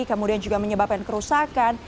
kemudian juga menyebabkan kerusakan